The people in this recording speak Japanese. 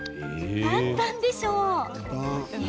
簡単でしょう？